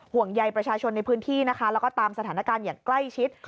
ห่วงใยประชาชนในพื้นที่นะคะแล้วก็ตามสถานการณ์อย่างใกล้ชิด